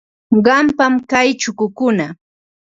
Qampam kay chukukuna.